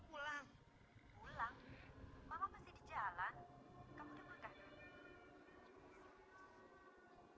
jalan kung jalan se di sini ada pesta besar besaran